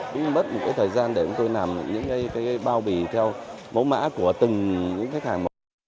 chúng tôi mất một thời gian để làm bao bì theo mẫu mã của từng khách hàng